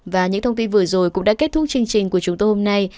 và những thông tin vừa rồi cũng đã kết thúc chương trình của chúng tôi hôm nay